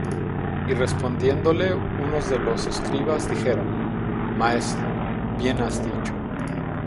Y respondiéndole unos de los escribas, dijeron: Maestro, bien has dicho.